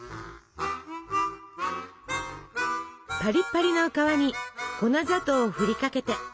パリパリの皮に粉砂糖を振りかけて。